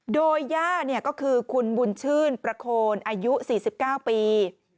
โดยย่าก็คือคุณบุญชื่นประโคนอายุ๔๙ปี